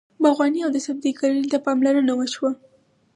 باغواني او د سبزۍ کرنې ته پاملرنه وشوه.